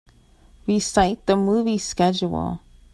Recite the movie schedule.